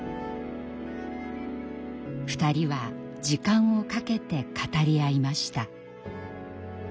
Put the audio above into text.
２人は時間をかけて語り合いました。